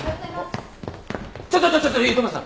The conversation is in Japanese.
ちょちょちょ糸村さん。